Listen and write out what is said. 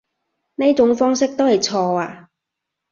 呢種方式都係錯啊